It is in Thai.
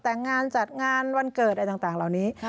แต่งงานจัดงานวันเกิดอะไรต่างเหล่านี้